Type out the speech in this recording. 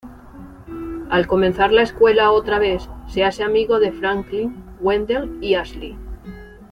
Al comenzar la escuela otra vez, se hace amigo de Franklin, Wendell, y Ashley.